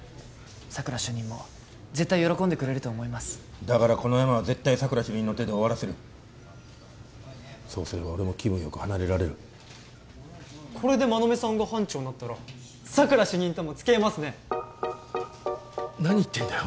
佐久良主任も絶対喜んでくれると思いますだからこのヤマは絶対佐久良主任の手で終わらせるそうすれば俺も気分よく離れられるこれで馬目さんが班長になったら佐久良主任ともつきあえますね何言ってんだよ